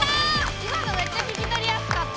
今のめっちゃ聞きとりやすかった。